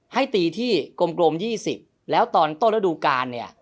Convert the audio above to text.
ให้ตีที่กลม๒๐แล้วตอนต้นระดูการเนี่ย